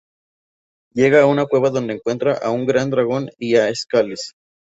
Llega a una cueva donde encuentra a un gran dragón y a Scales.